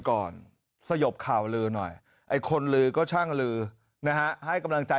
ก่อนสยบข่าวลือหน่อยไอ้คนลือก็ช่างลือนะฮะให้กำลังใจ